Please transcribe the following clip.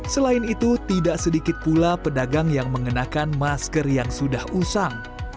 selain itu tidak sedikit pula pedagang yang mengenakan masker yang sudah usang